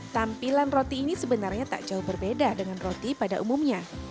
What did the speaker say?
tampilan roti ini sebenarnya tak jauh berbeda dengan roti pada umumnya